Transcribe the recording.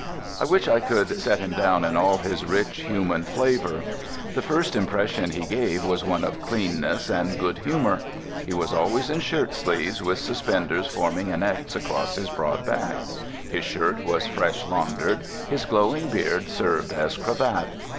I wish I could set him down in all his rich human flavour. The first impression he gave was one of cleanness and good humour. He was always in shirtsleeves, with suspenders forming an X across his broad back; his shirt was fresh laundered, his glowing beard served as cravat.